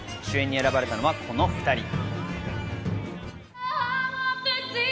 主演に選ばれたのはこの２人。